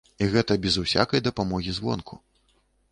І гэта без усякай дапамогі звонку.